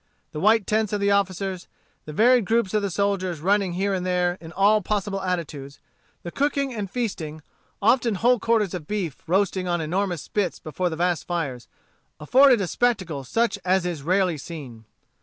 The white tents of the officers, the varied groups of the soldiers, running here and there, in all possible attitudes, the cooking and feasting, often whole quarters of beef roasting on enormous spits before the vast fires, afforded a spectacle such as is rarely seen.